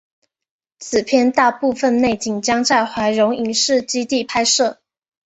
此片大部分内景将在怀柔影视基地拍摄。